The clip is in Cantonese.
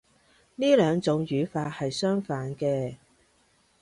呢兩種語法係相反嘅